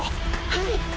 はい！